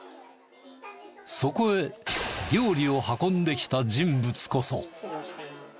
そこへ料理を運んできた人物こそ。